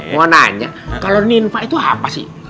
mau nanya kalau ninfa itu apa sih